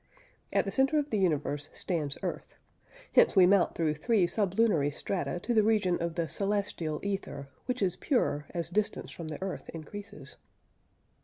At the centre of the universe stands Earth: hence we mount through three sublunary strata to the region of the celestial ether, which is purer as distance from the Earth increases.